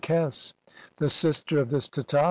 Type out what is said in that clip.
CXXVII "Kes. The sister of this Teta.